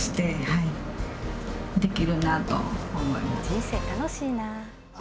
人生楽しいな。